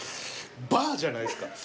バーじゃないですから。